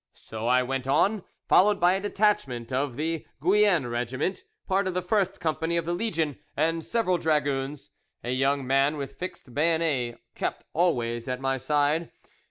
So I went on, followed by a detachment of the Guienne regiment, part of the first company of the legion, and several dragoons; a young man with fixed bayonet kept always at my side.